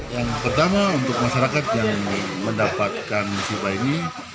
yang pertama untuk masyarakat yang mendapatkan musibah ini